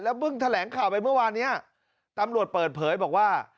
เพิ่งแถลงข่าวไปเมื่อวานนี้ตำรวจเปิดเผยบอกว่า